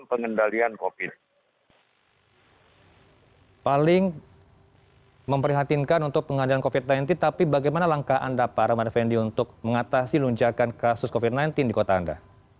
paling memperhatinkan untuk pengadilan covid sembilan belas tapi bagaimana langka anda para mada fendi untuk mengatasi luncakan kasus covid sembilan belas di kota anda